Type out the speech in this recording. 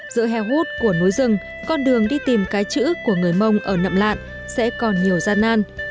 giữa hèo hút của núi rừng con đường đi tìm cái chữ của người mông ở nậm lạn sẽ còn nhiều gian nan